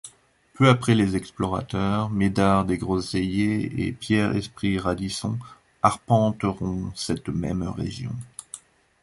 Peu après les explorateurs, Médard des Groseilliers et Pierre-Esprit Radisson, arpenteront cette même région.